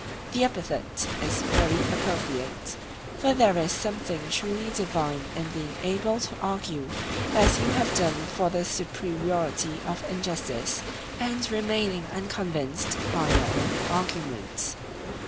The epithet is very appropriate, for there is something truly divine in being able to argue as you have done for the superiority of injustice, and remaining unconvinced by your own arguments.